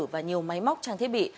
và nhiều máy móc trang thiết bị